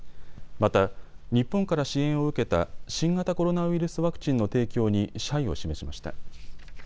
また日本から支援を受けた新型コロナウイルスワクチンの提供に謝意を示しました。